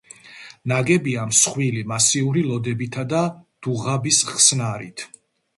ნაგებია მსხვილი მასიური ლოდებითა და დუღაბის ხსნარით.